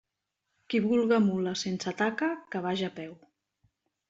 Qui vulga mula sense taca, que vaja a peu.